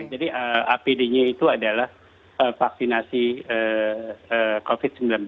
jadi apd nya itu adalah vaksinasi covid sembilan belas